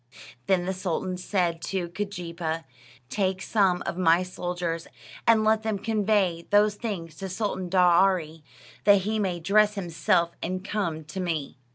Then the sultan said to Keejeepaa, "Take some of my soldiers, and let them convey these things to Sultan Daaraaee, that he may dress himself and come to me."